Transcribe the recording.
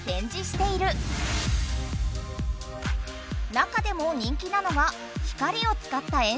中でも人気なのが光を使った演出。